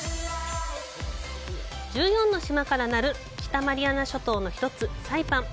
１４の島からなる北マリアナ諸島の１つ、サイパン。